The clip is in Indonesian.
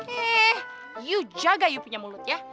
eh you jaga you punya mulut ya